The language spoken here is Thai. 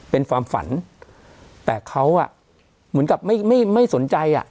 เป็นความฝันแต่เขาอ่ะเหมือนกับไม่ไม่สนใจอ่ะ